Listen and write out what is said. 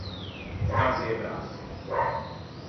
Cazze e brasse.